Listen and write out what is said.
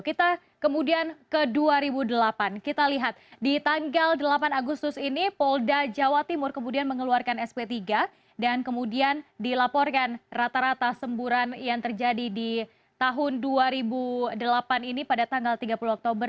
kita kemudian ke dua ribu delapan kita lihat di tanggal delapan agustus ini polda jawa timur kemudian mengeluarkan sp tiga dan kemudian dilaporkan rata rata semburan yang terjadi di tahun dua ribu delapan ini pada tanggal tiga puluh oktober